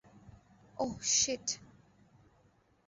ওহ, sheet!